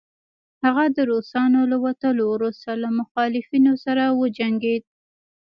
هغه د روسانو له وتلو وروسته له مخالفينو سره وجنګيد